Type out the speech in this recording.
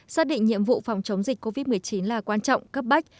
xác định nhiệm vụ phòng chống dịch covid một mươi chín là quan trọng cấp bách